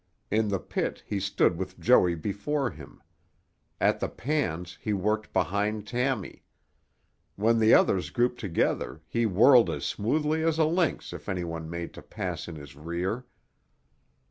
In the pit he stood with Joey before him. At the pans he worked behind Tammy. When the others grouped together he whirled as smoothly as a lynx if any one made to pass in his rear.